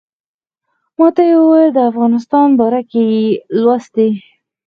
ماته یې ویل د افغانستان باره کې یې لوستي.